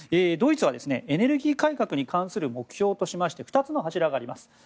ドイツはエネルギー改革に関する目標としまして２つの柱があります。